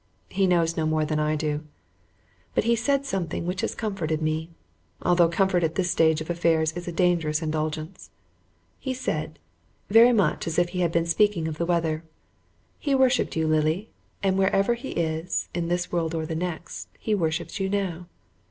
He knows no more than I do. But he said something which has comforted me, although comfort at this stage of affairs is a dangerous indulgence. He said, very much as if he had been speaking of the weather, "He worshipped you, Lily, and wherever he is, in this world or the next, he worships you now."